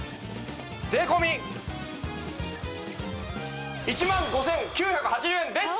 税込１５９８０円です！